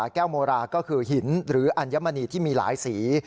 แก้วโมราก็คือหินหรืออัญมณีที่มีหลายสี